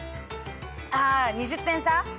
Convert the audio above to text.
あ２０点差？